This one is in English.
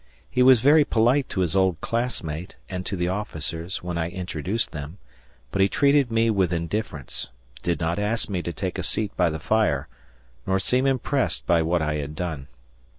He was very polite to his old classmate and to the officers, when I introduced them, but he treated me with indifference, did not ask me to take a seat by the fire, nor seem impressed by what I had done.